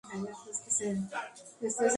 Vive con su prima Raquel Villanueva.